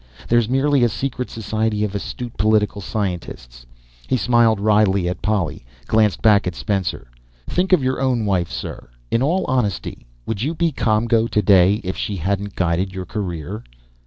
There's merely a secret society of astute political scientists." He smiled wryly at Polly, glanced back at Spencer. "Think of your own wife, sir. In all honesty, would you be ComGO today if she hadn't guided your career?"